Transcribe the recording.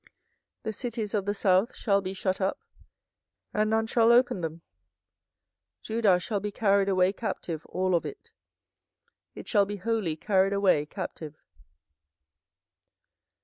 24:013:019 The cities of the south shall be shut up, and none shall open them: Judah shall be carried away captive all of it, it shall be wholly carried away captive.